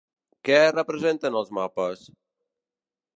Què representen el mapes?